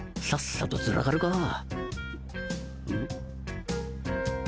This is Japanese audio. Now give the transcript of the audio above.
さっさとずらかるか。